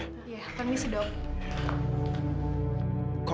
iya kami sedok